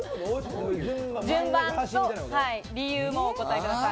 順番と理由もお答えください。